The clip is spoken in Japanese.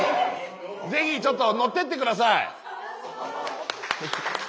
ぜひちょっと乗ってって下さい。